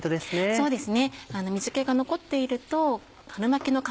そうですね。